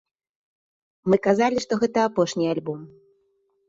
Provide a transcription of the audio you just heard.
Мы казалі, што гэта апошні альбом!